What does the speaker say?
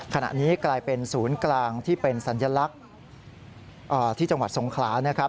ขณะนี้กลายเป็นศูนย์กลางที่เป็นสัญลักษณ์ที่จังหวัดสงขลานะครับ